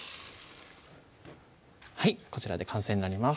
はいこちらで完成になります